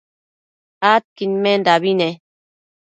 adquidmendabi ne